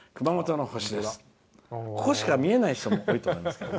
ここしか見えない人もいると思います。